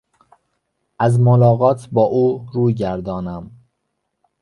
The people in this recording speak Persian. از ملاقات با او روی گردانم.